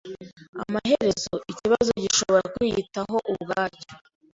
Amaherezo, ikibazo gishobora kwiyitaho ubwacyo.